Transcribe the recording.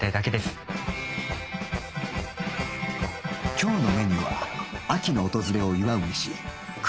今日のメニューは秋の訪れを祝う飯栗ご飯